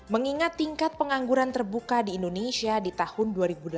mengingat tingkat pengangguran terbuka di indonesia di tahun dua ribu delapan belas